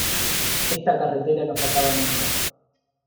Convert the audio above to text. Esta carretera no se acaba nunca.